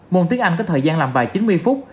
môn tiếng anh có thời gian làm bài chín mươi phút